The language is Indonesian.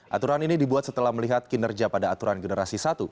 aturan ini dibuat setelah melihat kinerja pada aturan generasi satu